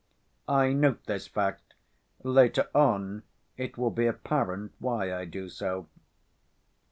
I note this fact, later on it will be apparent why I do so.